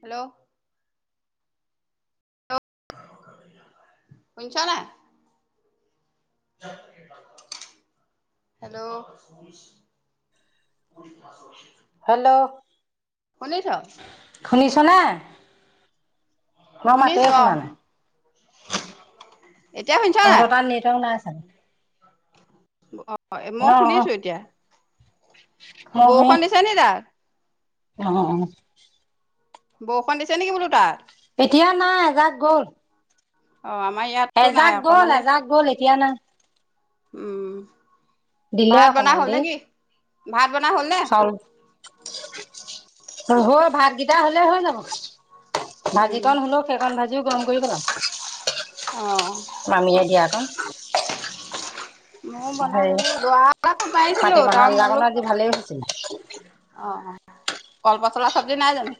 Hello শুনিছা নাই? Hello hello শুনিছ? শুনিছনে? মই মাতেই শুনিছো শুনা অহ, নাই। এতিয়া শুনিছা নাই? তহঁতৰ তাত নেটৱৰ্ক নাই চাগে। অ ', মই অ', শুনিছো অ', এতিয়া । মই সেই বৰষুণ দিছে নি তাত? অ- অ -অ, বৰষুণ দিছে নেকি বোলো তাত? এতিয়া নাই এজাক গ'ল । অ আমাৰ ইয়াততো নাই এজাক গ'ল, অকণমান দেই। এজাক গ'ল এতিয়া নাই। উম, দিলে ভাত বনোৱা অকমান হ'ল দেৰি। নেকি? ভাত বনোৱা হ'ল নে? হল আৰু ভাত কেইটা হ'লে হৈ যাব। উম ভাজিকন হলেও সেইখন ভাজিও গৰম কৰি পেলাম অ মামীয়ে দিয়াকন। মাটিমাহৰ আঞ্জাকণো আজি ভালেই হৈছিলে। [unintelligible] কলপচলা চব্জি নাই জানো?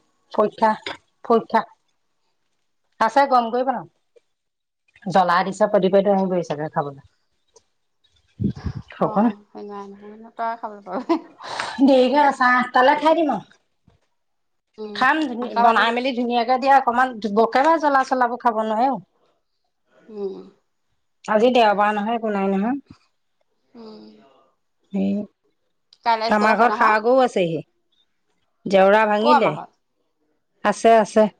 [unintelligible] অহ, এঙা, তই খাবলৈ পাবি, এই দিয়া চাহ আঠটালে খাই দিম আৰু। উম খাম ধুনী আঠটা বাজি বনাই গ'ল। মেলি ধুনীয়াকে এতিয়া অকমান, বকাহে জ্বলা- চলাবোৰ খাব নোৱাৰে । উম, আজি দেওবাৰ নহয় । বনাম নহয়, উম এই কাইলৈ স্কুল আমাৰ আছে ঘৰত নহয় ষাঁড়গৰু আছেহি। জেওৰা ক' ভাঙিলে। আমাৰ ঘৰত আছে আছে ।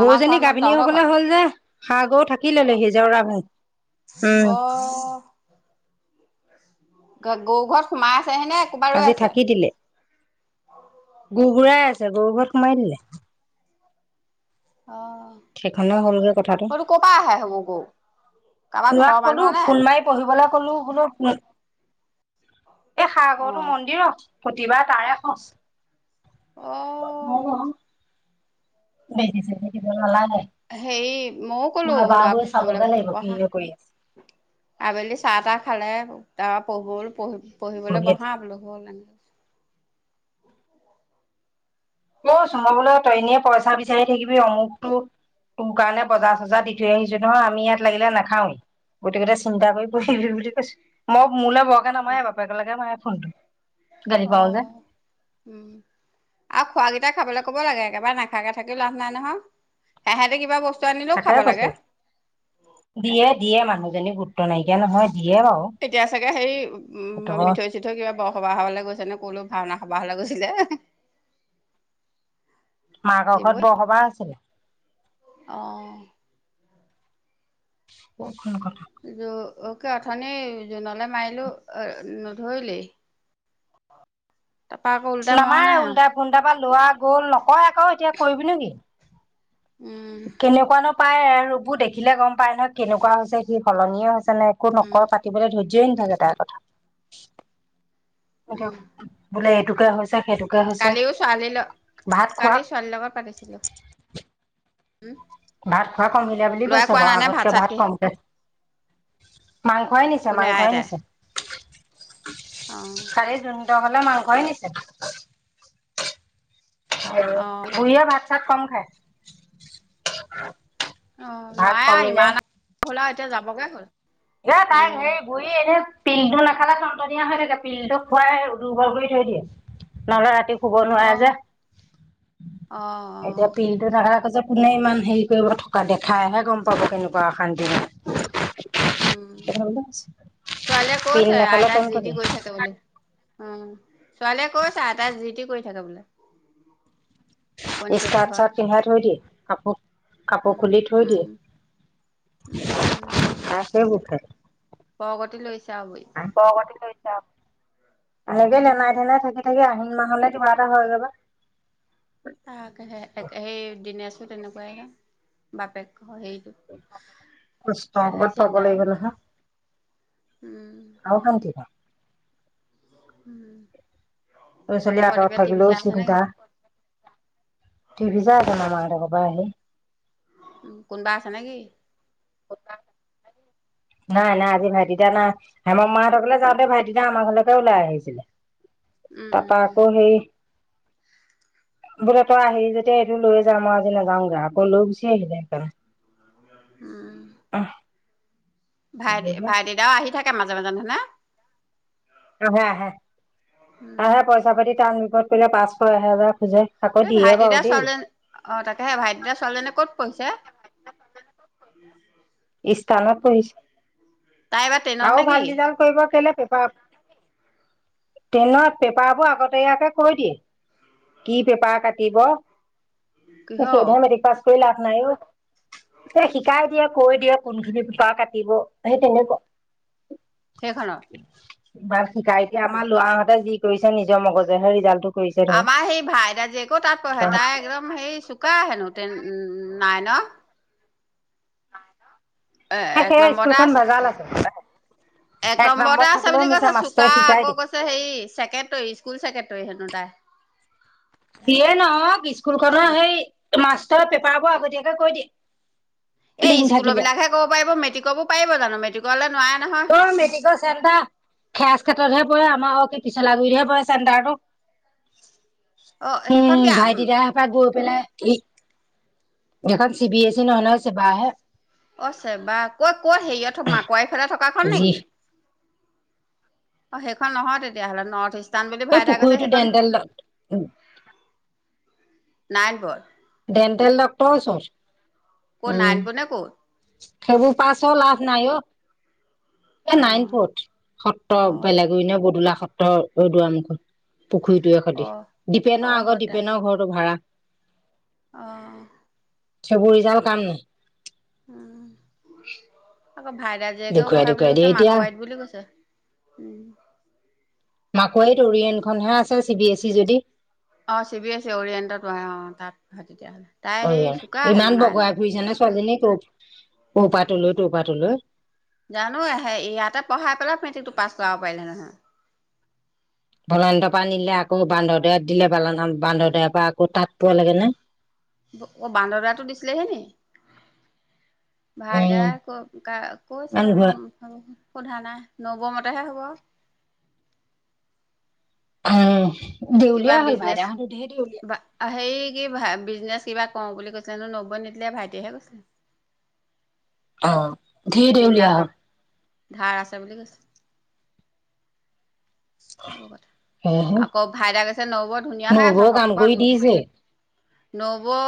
আমাৰ গৰুজনী ঘৰত মানে গাভিনী তহঁতৰ ঘৰত হবলৈ হ'ল যে- ষাঁড়গৰুটো থাকিলে অ' লেহি জেওৰা ভাঙি উম--। অ' গ - গৰু ঘৰত সোমাই আছে । আছে হেনে কোবাই ৰৈ আজি আছে? থাকি গো -গুঢ়াই আছে গৰুঘৰত সোমাই দিলে। অ' সেইখনে হল গে কথাটো সটো ক'ৰ পৰা আহে সেইবোৰ গৰু কাৰোবাৰ ঘৰৰ লৰাক কলো মানুহৰ নে ফোন মাৰি পঢ়িবলৈ, কলো বোলো, এ', সাগৰতো অ' মন্দিৰ অ, ' প্ৰতিবাৰ তাৰে খৰচ অ' [unintelligible] বেজি চেজি দিব নালাগে হেই মইও কলো মই বোল এবাৰ গৈ চাবগে লাগিব কি পঢ়া কৰি আছে আবেলি চাহ তাহ খালে। তা পোহল পহ পঢ়িবলৈ বঢহা কৈছো বল হ'ল এনেকৈ- ক চো মই বোলো তইনীয়ে পইচা বিচাৰি থাকিবি অমুকতটো তোৰ কাৰণে বজাৰ চজাৰ দি থৈ আহিছো নহয় আমি ইয়াত লাগিলে নাখাওৱেই গতিকটা চিন্তা কৰি প়িবি বুলি কৈছো ।মই মোলৈ বৰকে নামায় বাপেকেলগে মায়ে ফোনটো গাড়ী খও যে অ' উম আৰু খোৱাকেইটা খাবলৈ ক'ব লাগে একেবাৰে নাখাকে থাকিলেও লাভ নাই নহয় সেহেতে কিবা বস্তু আনিলেও তাকে খাব কৈছো লাগে দিয়ে দিয়ে মানুহজনী গোট নাইকিয়া নহয় দিয়ে বাৰু এতিয়া চাগে হে উম সেইটো মিঠৈ চিঠৈ কিবা বৰসবাহ হবালৈ গৈছে। নে ক'লৈ ভাওনা কাবাঘৰলৈ গৈছিলে। মাহঁতৰ দিবই ঘৰত বৰসবাহ আছিলে। অ । [inaudible] বহুখন কথা অকে অথনি জোনলৈ মাৰিলো নধৰিলে মৰা নামাৰে নাই আৰু উল্টা ফোনডাৰ পৰা লোৱা গ'ল নকয় আকৌ এতিয়া কৰিবি নেকি। উম, কেনেকুৱা ন । পাই ৰবো দেখিলে গম পায় নহয় কেনেকুৱা হৈছে সি সলনি হৈছে তনে একো উম, নকই পাতিলৈ ধয্য । জেইন থাকে তাইৰ কথা এইটো উম, বোলে টুকা হৈছো সেইটো । কালিও ছোৱালী লগ কালি ছোৱালীৰ লগত পাতিছিলো ভাত খোৱাাই কমহিলে বুলি ল'ৰাই কৈছে কোৱা বাৰু নাই নে আগতকে চাত ভাত কি কমক মাংসাই নিছে কোনে মাংসই আইতাই নিছে উ অ', খাৰে জুন হলে মাংসই নিছে অ', বুঢ়িয়া ভাত তাত কম খায় অ ভাত নোৱাৰে আৰু ইমান হল আৰু এতিয়া যাবগে । এই তাই সেই বুঢ়ি এনেই, পিলটো নাখালে টন্তনিয়া হৈ থাকে, পিলটো খুৱাই দুৰ্বল কৰি থৈ দিয়ে। নহলে ৰাতি শুব নোৱাৰে অ', অ', যে এতিয়া অ', পিলটো নেখালে কৈছে- কোনে ইমান হেৰি কৰিব থকা দেখাইহে গম পাব কেনেকুৱা অশান্তি লাগে। উম ছোৱালীয়ে পিল কৈছে নাখালে আইতাই যি টনটনি টি কৈ থাকে বুলি। উম ছোৱালীয়ে কৈছ আইটাই যিটি কৰি থাকে বোলে। টোপনি ক্ষতি স্কাৰ্ট হয় চাৰ্ট পিন্ধাই থৈ দিয়ে । কাপোৰ কাপোৰ উম খুলি থৈ উম দিয়ে। উম উম তাই সেই বোৰ খাই। পৰকতি লৰিছে। পৰকটি লৰিছে। অ এনেকে উম লেনাই ঘেনাই থাকি থাকি আহি মাহ হলে কিবা এটা হৈ যাবা। আহ কেফে, একে সেই দিনেছ তেনেকুৱাই সে বাপেক হেৰিটো দছটা তাকেহে আগত পাব চিন্তা অ লাগিব নহয়। উম আৰু কাম কি বাও? উম । লৰা ছোৱালী আঁতৰত থাকিলেও চিন্তা, টিভি চাই আছে মামা হঁতৰ ঘৰত। বাহে উ কোনোবা আছা নেকি? [unintelligible] অ নাই নাই আজি ভাইটি টা না হেমৰ মা হতৰ ঘৰলৈ যাওঁতে ভাইটিদা আমাৰ ঘৰলৈকে ওলাই আহিছিলে । উম তাপা উম আকৌ সেই, বোলে তই আহি যেতিয়া এইটো লৈয়ে যা মই আজিলে নাযাওঁগে। আকৌ লৈ গুচি আহিলে সেইকাৰণে । অহ। ভাই ভাইটি দাও আহি থাকে মাজে যাব জানে না অ হা হা উম আহে পইচা পাতি টান বিপত কৰিলে পাঁচশ এহেজাৰ খোজে। আকৌ এই দিয়ে বাৰু ভাইটিদাৰ দেই চোৱালীজনী, অ তাকেহে সেই ভাইটিদাৰ চোৱালীজনী ক'ত- কৈছে? তাওনত পঢ়িছে। তাই এইবাৰ টেনত আৰু ভাল নেকি ৰিজাল্ট কৰিব কেলে। পেপাৰ তেনে পেপাৰ বোৰ আগতেীয়াকে কৈ দিয়ে কি পেপাৰ কাটিব। কিহৰ টেনৰ মেট্ৰিক পাছ। এক লাভ নাই অ' ত শিকাই দিয়ক কৈ দিয়া কোনখিপা কাটিব সেই তেনেকুৱা সেইখনত ইমান শিকাই এতিয়া আমাৰ লৰা হঁতে যি কৰিছে নিজৰ মগজেহে ৰিজাল্টটো। কৰিছে ধৰ আমাৰ সেই ভাইদা জীয়েকেও তাত পঢ়ে তাই একদম সেই চোকা হেনো। Ten nine. এক সেই নম্বৰতে স্কুলখন ভেজাল আছে এক নম্বৰতে নম্বৰত আছে থাকিলেও বুলি মিছা কৈছে চোকা মাষ্টৰে শিকাই আকৌ দিয়ে। কৈছে হেৰি ছেক্ৰেটৰী স্কুল ছেক্ৰেটৰী সেই ত, যিয়ে নহওক স্কুলখনৰ উম হেৰি। মাষ্টৰৰ পেপাৰ বোৰ আগতীয়াকে কৈ দিয়ে। এই লিংক স্কুলৰ থাকিলে বিলাক হে কব পাৰিব মেট্ৰিকৰ বোৰ পাৰিব জানো মেট্ৰিক। গলত। ত মেট্ৰিকৰ চেণ্টাৰ। কেত্ৰতহে পৰে আমাৰ কি পিছলাগুৰিতহে পৰে চেণ্টাৰটো। অ সেইখন উম কি ভাইটি দাহপাই গৈ পেলাই। এইখন চি বি এছ ই নহয় নহয় ছেবা হে অ ছেবা ক ক'ত হেৰিয়ত সোমাই পৰে। [unintelligible] থকা খন যি নেকি? অ 'সেইখন নহয় তেতিয়াহ'লে নৰ্থ ইষ্ট। এই পুখুৰীটো ডণ্ডেলত উ নাইটবৰ্ড ডেণ্টেল ডক্টৰ ওচৰত ক' উম। নাৰায়নপুৰত নে ক'ত সেইবোৰ পাচো লাভ নাই অ' এই নাৰায়ণপুৰত অ সত্ৰ অ বেলেগুৰি ন বদূলা সত্ৰৰ দুৱাৰমুখত। পুখুৰীটোৱে অ', সতি দীপেনৰ অ', আগত হতা দীপেনৰ ঘৰটো ভাড়া অ ' সেইবোৰ ৰিজাল্ট কাম নাই। উম, আকৌ ভাইদা জীয়েকেও দেখুৱাই পঢ়ে বুলি দেখুৱাই কৈছে দিয়ে এতিয়া মাকুৱ আইত বুলি কৈছে উম, মাকৈত অৰিয়েণ্টখননহে আছে চি বি এছ ই যদি অ চি বি এছ ই অৰিয়েণ্টত অঁ তাত হয় তেতিয়াহ'লে তাই অঁ সেই চুকা হেনো ইমান বগাই নাইনত ঘুৰিছ নে ছোৱালীজনীক ব [inaudible] জানো ইয়াতে পঢ়াই পেলাই মেট্ৰিক টো পাছ কৰা মবাইল নহ ভলডাৰ পৰা আনিলে আকৌ বান্দৰদাত দিলে বালানাম বান্দৰদাৰ পৰা আকৌ তাত পোৱা লাগে নে অঁ বান্দৰটো দিছিলেহেনি উম ভাইদাই ক ক কৈছে ইমান ঘূৰা উ সোধা নাই নৱমত হব উম কিবা দেউলীয়া হ'ল বিজনেচ ভাইদাহঁতো ধেৰ দেউলীয়া বা হেৰি কি বিজনেচ কিবা কওঁ বুলি কৈছিলেনো নব্বৈ নিদিলে ভাইটিেহে কৈছিলে। অঁ ধেৰ তিন লাখ দেউলিয়া টকা ধাৰ আছে বুলি কৈছে আৰু সেয়েহে কথা আকৌ ভাইদাই আছে নৌবৰ ধুনীয়া হৈ আছে নবৌৱে সৰৰ কাম পৰা কৰি দিছে নবৌ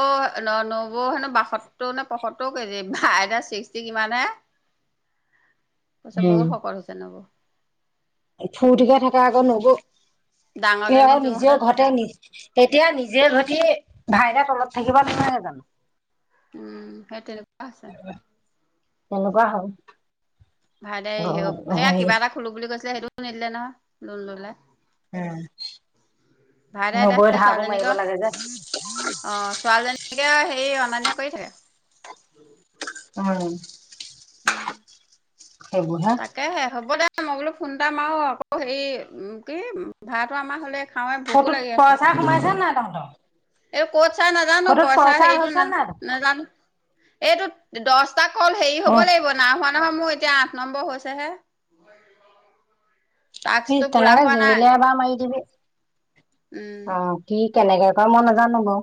ন নবৌ হেনো বাসত্তৰ নে পয়সত্তৰ কেজি আইতা ছিক্সটি কিমান হে পছত বহুত শকত হৈছে নবৌ ফুৰ্তিকে থকা আকৌ নবৌ সেই ডাঙৰজনী আৰু নিজৰ যোৰহাটত ঘৰতে নি এতিয়া নি যে গতী ভাইৰা তলত থাকিব নাপায়ে জানো উম সেই তেনে পোৱা আছে তেনেকুৱা হয় ভাই দোই সে সেয়া কিবা এটা খোলো বুলি কৈছিলে সেইটো খুলিব নিদিলে নহয় লোণ ল'লে উম, ভাইটাইত নবৌৱে ধাৰবোৰ মাৰিব ছোৱালীজনীকে লাগে যে আঁহ ছোৱালীজনীকে সেই অনা নিয়া কৰি থাকে [inaudible] উম। সেইবোৰ হে [inaudible] তাকেহে হ'ব দে মই বোলো ফোন এটা মাৰু আকৌ হেৰি কি ভাত তো আমাৰ হলে খাওঁৱে ভোকো লাগি আছে পইচা সোমাইছে নাই ন [inaudible] এই ক'ত চাই নাজানো পইচা হেৰিটো ন হৈছে নাই নাজানো এইটো দহ কল হেৰি হ'ব অ লাগিব নাোৱা নহয় মোৰ এতিয়া আঠ নম্বৰ হৈছে হে সেই তেনেকে জিমিলে এবাৰ মাৰি দিবি উম অ কি কেনেকে ক মই নেজানো বাৰু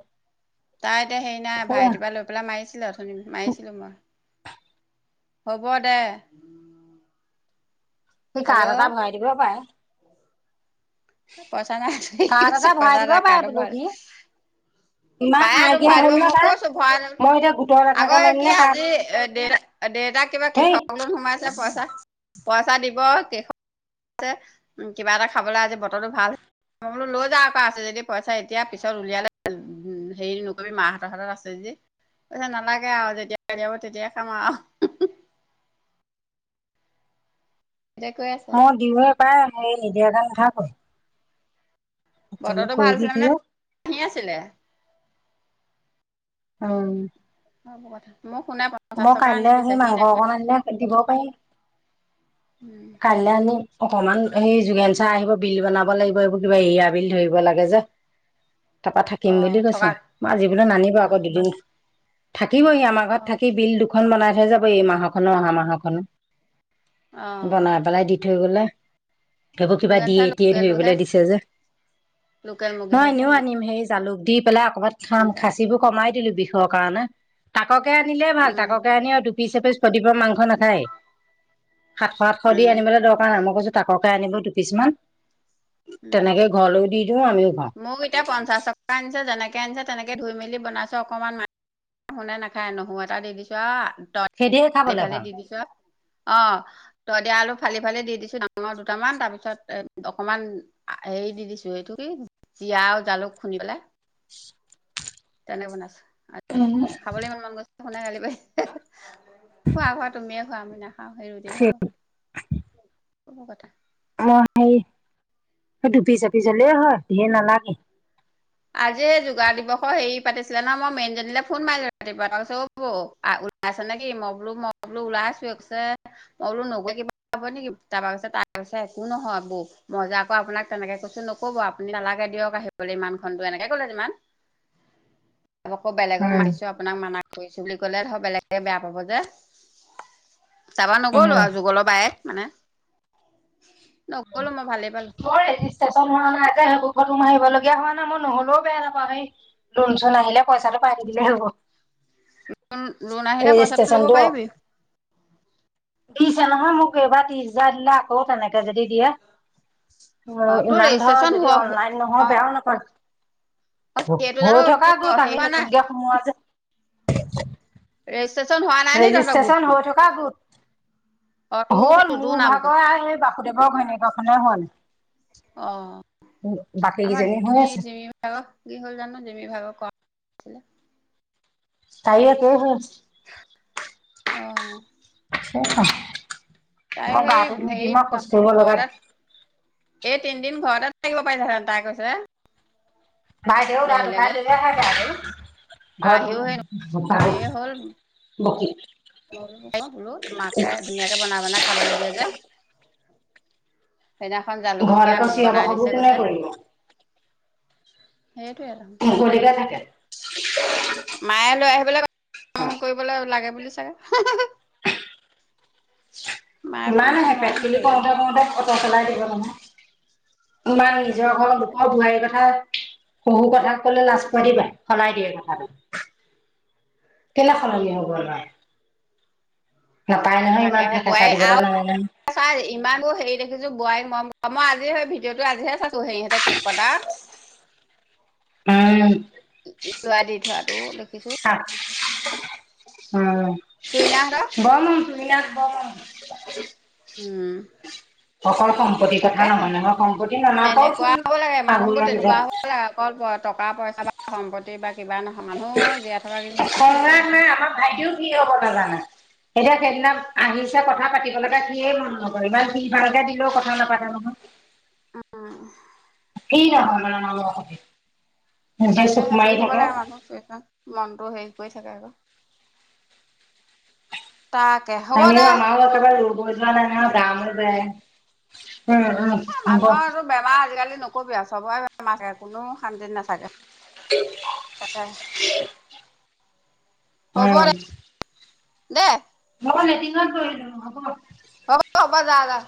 তাই এতিয়া হেৰি নাই ভাইটি পৰা লৈ পেলাই মাৰিছিলে অথুনি মাৰিছিলো মই হ'ব দে সি হেল্ল' কাৰট এটা ভৰাই দিব পায়ে পইচা নাই আ সি কাৰ্ড কৈছে ভৰাই পইচা দিব এটা পাৰে কাৰটত বোলো ভৰাই দে সি ইমান পায়ে তো নাইকিয়া ভৰাই দিব হ'ল ন মই তাৰ কৈছোঁ ভৰাই দে মই এতিয়া গোটৰ আকৌ লেঠাকে মাৰিম কি নে কাৰ্ড আজি এ দেউতা দেউতাক কিবা দেই কৃষক লোন সোমাইছে পইচা পইচা দিব কৃষক কিবা এটা খাবলে আজি বতৰটো ভাল মই বোলো লৈ যা ক আছে যদি পইচা এতিয়া পিছত উলিয়ালে উ হেৰি নকৰিবি মাহঁতৰ হাতত আছে যে কইছে নালাগে আৱ যেতিয়া উলিয়াব তেতিয়াই খাম আৱ তেতিয়া কৈ আছে। মই দিওঁয়ে পাই মই নিদিয়াকে নেথাকো অ বতৰটো ভাল আছিলে মানে কিয় হাঁহি আছিলে অ অব কথা মোক শুনে পঞ্চাশ মই টকা কাইলে আনি আহি দিছে সি মাংস নেখায়। অকন আনিলে দিব পাৰিম উম, কাইলে আনিম অকমান সেই যোগেন চাৰ আহিব বিল বনাব লাগিব এইবোৰ কিবা এৰিয়া বিল ধৰিব লাগে যে তাপা থাকিম অ' বুলি কৈছে থকাক মই আজি বোলো নানিব আকৌ অ' দুদিন থাকিবহি আমাৰ অ' থাকেই বিলডু দুখন বনাই থৈ যাব এই মাহখনো অহা মাহখনো অ' বনাই পেলাই দি থৈ থৈ গলে এইবোৰ কিবা যোগেন দিয়ে চাৰ টিয়ে ধৰিবলে লোকেলটোহে দিছে যে লোকেল নহয় মুৰ্গীহে খাই এনেও আনিম হেই জালুক দি পেলাই ক'ৰবাত খাম যোগেন চাৰ। খাচীবোৰ কমাই দিলোঁ বিহু কাৰণে তাকক কে আনিলে ভাল উম, তাককে আনি পিছে পিছ ফদিব মাংস নেখায় সাতশ আতশ দি উম, আনিবলে দৰকাৰ নাই মই কৈছোঁ তাককে আনিব দুপিছমান উম, তেনেকে ঘৰলৈও দি দিওঁ আমি মোক এতিয়া পঞ্চাশ টকা আনিছে যেনেকে তে আনিছে তেনেকৈ ধুই মেলি বনাইছো অকণমান ম শুনে নাখায় নহৰু এটা দি দিছোঁ আ তই সেইধেই খাবলে এইফালেদি ভাল। দি দিছ। অ' তই দিয়া আলু। ফালি ফালি দি দিছো ডাঙৰ দুটামান তাৰ পিছ এ অকনমান হেৰি দি দিছো এইটো কি। জীয়া আৰু জালুক খুন্দি পেলাই। তেনে বন আছ। উম। শুনা কালি প খোৱা খোৱা তুমি [unintelligible] অ' সেই ৰুতিয়ে হ'ব। কব কথা। অ' সেই ডুপি চাপি জলে হয় ধেৰ নালাগে। আজি যোগাৰ দিৱসৰ হেৰি পাতিছিলে ন মই মেইনজনীলৈ ফোন মাৰিলো ৰাতিপুৱা তাৰ কৈছে অ'বৌ ওলাই আছে নেকি মই বোলো মই বোলো ওলাইছো কৈছে মই বোলো নগৈ কিবা হ নেকি তাৰপৰা কৈছে তাৰ পছে একো নহয় বৌ মজা আৌ আপোনাক তেনেকে কৈছো নকব আপুনি নালাগে দিয়ক আহিবলৈ ইমান। টো এনেকে ক'লে যিমান। আকৌ বেলেগক উম। মাতিছো আপোনাক মান কৰিছো বুলি কলে ধৰ বেলেগে বেয়া পাব যে। তাৰপা নগ'লো উম আৰু যুগলৰ বায়ে মানে [inaudible] মই ভালেই পালো ক ৰেজিষ্টচন হোৱা নাই জে হব। সকল লোম আহিবলগীয়া হোৱা না মই নহলেও বেয়া নাপাওঁ সেই লোন চোন আহিলে পইচাটো পাই দিলেই হ'ব। [unintelligible] লোন আহিলে পইচাটো ল'ব ৰেজিষ্ট্ৰেচনটো পাৰিবি। দিছে নহয় মোক এইবাৰ ত্ৰিছ হোজাৰ দিলে আকৌ তেনেকে যদি দিয়ে অ' তোৰ ইমান ধৰ ৰেজিষ্ট্ৰেচন হ যদি অনলাইন অ নহয় বেয়াও নকৰে। অ সেইটো হৈ জানো থকা তোৰ গোত হেৰি আমি হোৱা নাই নতুনকে সোমোৱা যে। [unintelligible] [unintelligible] নাই নি তহঁতৰ ৰেজিষ্ট্ৰেচন গোটটো হৈ থকা গোট। অ তোৰ হ'ল তোৰ তোৰ মোৰ নামটো ভাগৰ স বাসুদ [unintelligible] অ'। আমাৰ হৈ জিমি আছে জিমি ভাগৰ কি হ'ল জানো জিমি ভাগৰ ক [unintelligible] তাই [unintelligible] অ'। এইখন তাই মই সেই গাটো ধুই হেৰি দিম আৰু শৌচ কৰিব লগা ঘৰতে এই তিনদিন ঘৰতে থাকিব পাৰিলেহেঁতেন। তাই কৈছে বাইদেউ [unintelligible] আহিলেগে থাকে আৰু। আহিও সেই-সেই হল। বকি মাকে ধুনীয়াকে বনাই বনাই খাবলৈ দিয়ে যে সেইদিনাখন ঘৰত জালুকীয়া আকৌ চিঞৰ বনাই বাখৰবোৰ দিছে কোনে কৈছে। কৰিব সেইটোৱে দেখোন মুকলিকে থাকে। [inaudible] মায়ে লৈ আহিবলৈ--। অ কাম কৰিবলৈ লাগে বুলি। হাহাহা। ইমান চোন আহে মৰাই প্ৰেক্টিকোল নাই এইকেইদিন কৰোতে কৰোতে অটো চলাই দিব নহয়। ইমান নিজৰ ঘৰ লোকৰ বোৱাৰীৰ কথা শহু কথাক কলে লাজ পোৱা দি পায় সলাই দিয়ে কথাটো। কেলে সলনি হৈ গ'ল বাৰু? তাকে হে থেকেচা বোৱাৰী দিবলৈ নালাগে নহয়। আৰু--। চোৱা ইমানবোৰ হেৰি দেখিছো বোৱাৰীক মৰম মই আজি হৈ ভিডিঅ'টো আজিহে চাইছো হেৰিহতে কেক কতা। উম লোৱা দি থোৱা। তইও লিখ। অ। উম। তুইনাহঁতৰ বৰ মৰম তুহিনাক অ'। উম, সম্পত্তিৰ কথা তাকে হে নহয় নহয় সম্পত্তি তেনেকুৱ নানাকৰচোন হ'ব লাগে মানুহবোৰ শাহুৱেক তেনেকুৱা জেঠ হ'ব লাগে অকল টকা পইচা বা সম্পত্তি বা কিবা নহয়। মানুহ জীয়াই থকা কেইদিন সেইটোৱে সংঘাত কথা নাই আমাৰ ভাইটিও ফ্ৰি হ'ব নাজানে। এতিয়া সেইদিনা আহিছে কথা পাতিবলৈকে সিয়েই মন নকৰে ইমান [unintelligible] দিলেও কথা নাপাতে নহয়। আমাৰ ফ্ৰি নহয় মানে মানুহৰ লগত। তাকে হে ফ্ৰি হ'ব লাগে মানুহ মনতটো সেই হৈ থাকে আকৌ। তাকে হ'ব আমিও দে আমৰ [unintelligible] [unintelligible] নাই নহয়। গা-মূৰ বেয়া। মানুহৰো বেমাৰ আজিকালি নহ কবি এ চবৰে বেমাৰ থাকে কোনো শান্তিত নাথাকে। তাকে ক হ'ব হয়। দে। অ লেটিঙত গো হ'ব । হ'ব হ'ব যা যা।